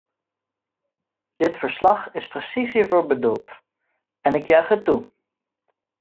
Dit verslag is precies hiervoor bedoeld en ik juich het toe!